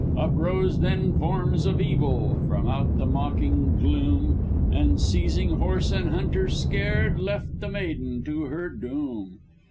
"Uprose, then, forms of evil. From out the mocking gloom; And seizing horse and hunter scared, Left the maiden to her doom.